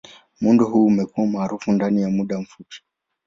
Muundo huu umekuwa maarufu ndani ya muda mfupi.